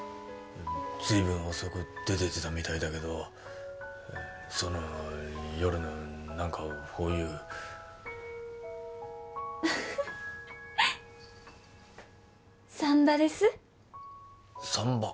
随分遅く出てってたみたいだけどその夜の何かほういう産婆です産婆？